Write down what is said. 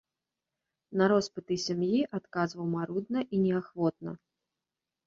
На роспыты сям'і адказваў марудна і неахвотна.